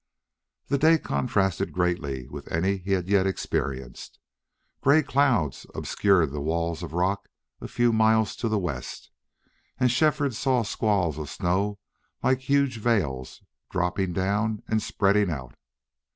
The day contrasted greatly with any he had yet experienced. Gray clouds obscured the walls of rock a few miles to the west, and Shefford saw squalls of snow like huge veils dropping down and spreading out.